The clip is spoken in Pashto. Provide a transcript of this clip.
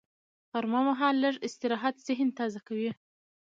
غرمه مهال لږ استراحت ذهن تازه کوي